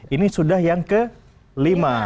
ini sudah yang kelima